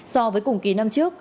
so với cùng kỳ năm trước